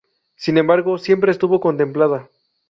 Sin embargo siempre estuvo contemplada.